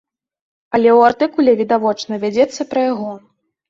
Але ў артыкуле відавочна вядзецца пра яго.